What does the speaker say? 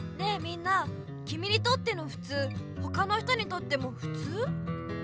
きみにとってのふつうほかの人にとってもふつう？